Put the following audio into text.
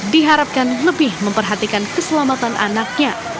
diharapkan lebih memperhatikan keselamatan anaknya